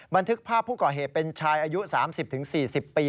บันทึกภาพผู้ก่อเหตุเป็นชายอายุ๓๐๔๐ปี